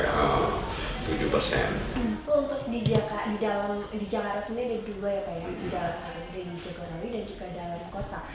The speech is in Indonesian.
untuk di jakarta sendiri ada dua ya pak ya di dalam jagorawi dan juga dalam kota